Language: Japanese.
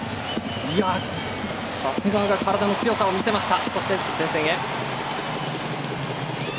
長谷川の体の強さを見せました。